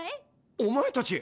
お前たち！